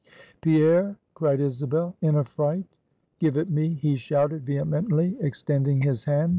"Pierre!" cried Isabel, in affright. "Give it me!" he shouted, vehemently, extending his hand.